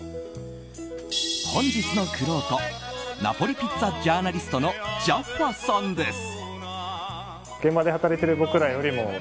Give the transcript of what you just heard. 本日のくろうとナポリピッツァジャーナリストのジャッファさんです。